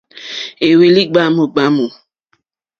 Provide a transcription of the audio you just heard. Éhwélì ɡbwámù ɡbwámù.